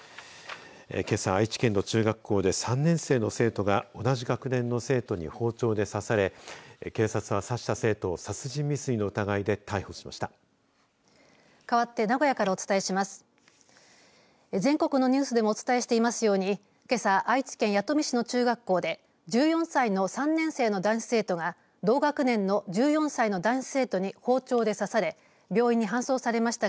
けさ、愛知県の中学校で３年生の生徒が同じ学年の生徒に包丁で刺され警察を刺した生徒を殺人未遂の疑いで逮捕しました。